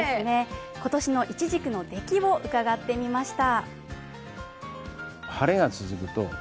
今年のいちじくの出来を伺ってみました。